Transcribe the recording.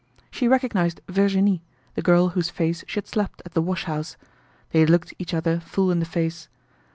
She recognized Virginie, the girl whose face she had slapped at the wash house. They looked each other full in the face.